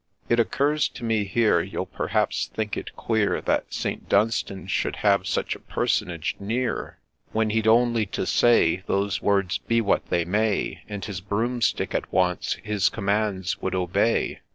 It occurs to me here You'll perhaps think it queer That St. Dunstan should have such a personage near, When he'd only to say Those words, — be what they may, — And his Broomstick at once his commands would obey.